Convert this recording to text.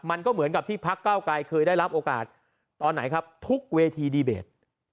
มันก็เหมือนกับที่พักเก้าไกรเคยได้รับโอกาสตอนไหนครับทุกเวทีดีเบต